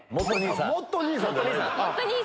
「もっと兄さん」じゃない。